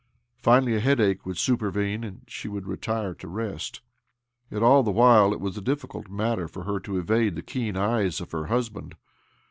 Finally a headache would supervene, and she would retire to rest. Yet all the while it was a difficult matter for her to evade the keen eyes of her husband.